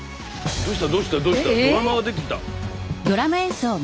どうした？